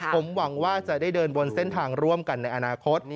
ผมหวังว่าจะได้เดินบนเส้นทางร่วมกันในอนาคต